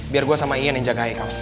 biar gue sama ian yang jaga hai kamu ya